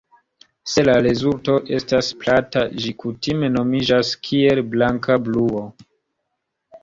Se la rezulto estas plata, ĝi kutime nomiĝas kiel "blanka bruo".